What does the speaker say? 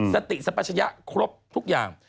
สติสัปชยะครบทุกอย่าง